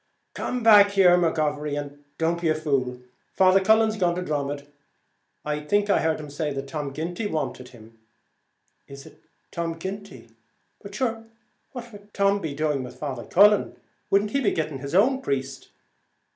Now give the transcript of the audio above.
"Come back, McGovery, and don't be a fool. Father Cullen's gone to Dromod. I think I heard him say Tom Ginty wanted him." "Is it Tom Ginty? but shure what would Tom be doing with Father Cullen? wouldn't he be going to his own priest?